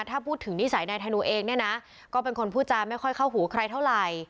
ถ้าพูดถึงนิสัยนายธนูเองเนี่ยนะก็เป็นคนพูดจาไม่ค่อยเข้าหูใครเท่าไหร่